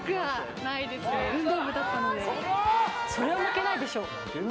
それは負けないでしょ。